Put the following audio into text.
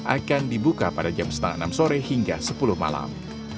akan dibuka pada jam setengah enam sore hingga sepuluh malam